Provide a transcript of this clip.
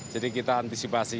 jadi kita antisipasi